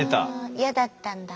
イヤだったんだ。